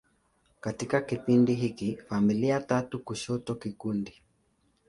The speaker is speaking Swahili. Katika kipindi hiki, familia tatu kushoto kikundi.